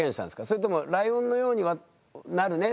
それとも「ライオンのようになるね」